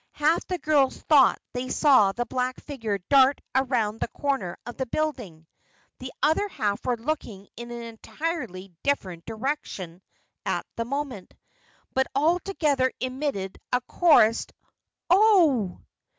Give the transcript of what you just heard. Half the girls thought they saw the black figure dart around the corner of the building; the other half were looking in an entirely different direction at the moment. But all together emitted a chorused: "Oh!"